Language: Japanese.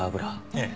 ええ。